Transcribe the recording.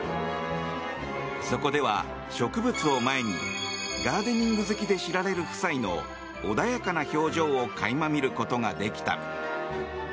そこでは植物を前にガーデニング好きで知られる夫妻の穏やかな表情を垣間見ることができた。